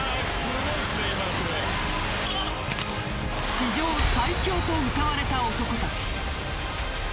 史上最強とうたわれた男たち。